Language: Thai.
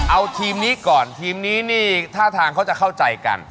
เอาทีมนี้ก่อนทีมนี้นี่ท่าทางเขาจะเข้าใจกัน